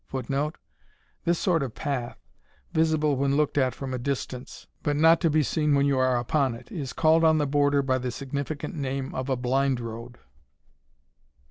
[Footnote: This sort of path, visible when looked at from a distance, but not to be seen when you are upon it, is called on the Border by the significant name of a Blind road.